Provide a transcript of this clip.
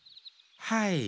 はい。